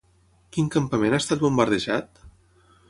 Quin campament ha estat bombardejat?